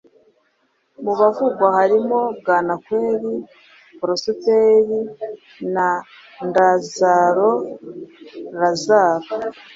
Mu bavugwa harimo Bwanakweli Porosiperi na Ndazaro Lazaro.